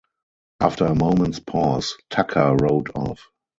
After a moment's pause, Tucker rode off.